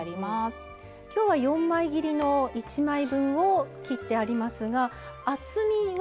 今日は４枚切りの１枚分を切ってありますが厚みは。